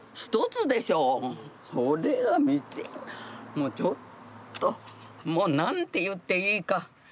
もうちょっともう何て言っていいか。